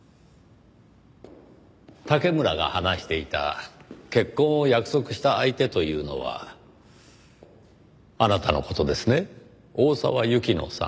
竹村が話していた結婚を約束した相手というのはあなたの事ですね大沢由紀乃さん。